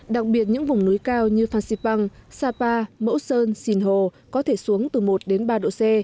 đặc biệt những vùng núi cao như phan xipang sapa mẫu sơn xìn hồ có thể xuống từ một đến ba độ c